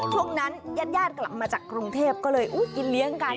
ช่วงนั้นญาติญาติกลับมาจากกรุงเทพก็เลยกินเลี้ยงกัน